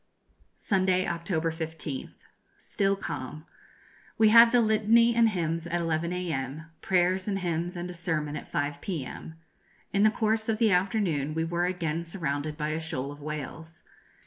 Sunday, October 15th. Still calm. We had the litany and hymns at 11 a.m.; prayers and hymns and a sermon at 5 p.m. In the course of the afternoon we were again surrounded by a shoal of whales.